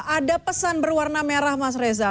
ada pesan berwarna merah mas reza